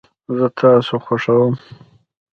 زه تاسو خوښوم